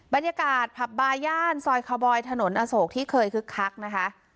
บรรยากาศผับบาย่านซอยคาบอยถนนอโศกที่เคยคึกคักนะคะ